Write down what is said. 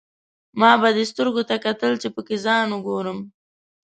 ما به دې سترګو ته کتل، چې پکې ځان وګورم.